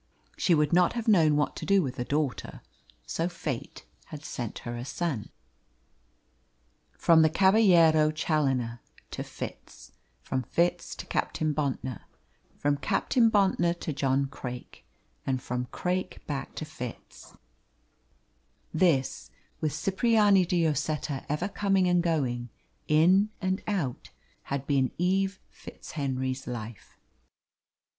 She would not have known what to do with a daughter, so Fate had sent her a son. From the Caballero Challoner to Fitz, from Fitz to Captain Bontnor, from Captain Bontnor to John Craik, and from Craik back to Fitz, this, with Cipriani de Lloseta ever coming and going, in and out, had been Eve FitzHenry's life.